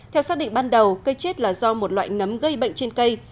theo xác định ban đầu cây chết là do một loại nấm gây bệnh trên cây